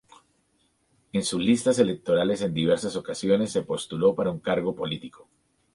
En sus listas electorales en diversas ocasiones se postuló para un cargo político.